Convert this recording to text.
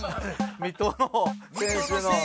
水戸の選手の。